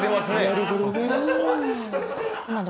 なるほどね。